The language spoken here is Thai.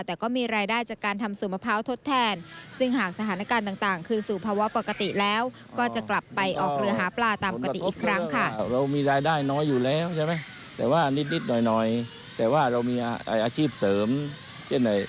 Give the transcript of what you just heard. แต่ก็มีรายได้จากการทำสั่งมะพร้าวทศแทน